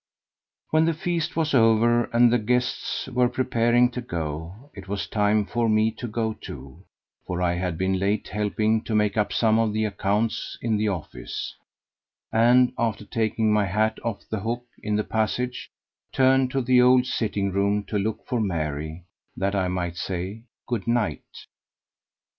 When the feast was over, and the guests were preparing to go, it was time for me to go too, for I had been late helping to make up some of the accounts in the office; and, after taking my hat off the hook in the passage, turned to the old sitting room to look for Mary, that I might say, "Good night."